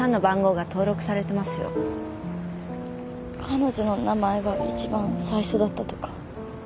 彼女の名前が一番最初だったとか？